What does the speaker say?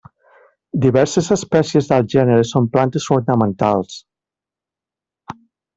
Diverses espècies del gènere són plantes ornamentals.